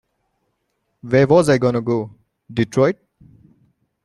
Where was I gonna go, Detroit?